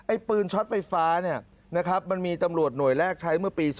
ไอ้ปืนช็อตไฟฟ้ามีตำรวจหน่วยแรกใช้เมื่อปี๒๑๖๓